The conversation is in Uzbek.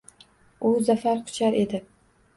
U zafar quchar edi.